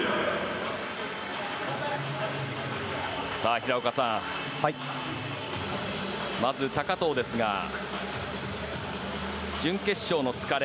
平岡さん、まず高藤ですが準決勝の疲れ